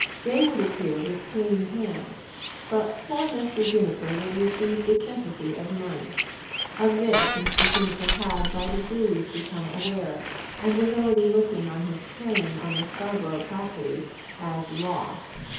They would appear with clean hands; but poor Mr. Juniper would receive the sympathy of none. Of this Mr. Juniper had by degrees become aware, and was already looking on his claim on the Scarborough property as lost.